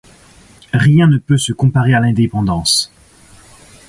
Rien ne peut se comparer à l'indépendance.